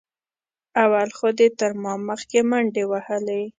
اول خو دې تر ما مخکې منډې وهلې.